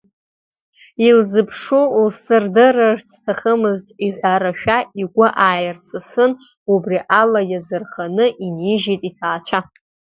Илзыԥшу лсырдырырц сҭахымызт иҳәарашәа ихы ааирҵысын, убри ала иазырханы инижьит иҭаацәа.